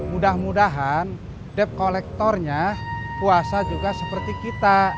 mudah mudahan debt collectornya puasa juga seperti kita